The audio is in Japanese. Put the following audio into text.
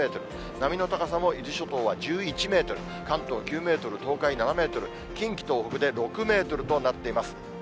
波の高さも伊豆諸島は１１メートル、関東９メートル、東海７メートル、近畿、東北で６メートルとなっています。